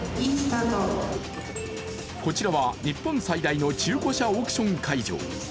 こちらは日本最大の中古車オークション会場。